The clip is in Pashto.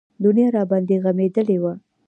دنيا راباندې غمېدلې وه.